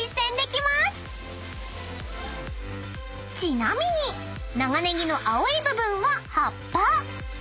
［ちなみに長ネギの青い部分は］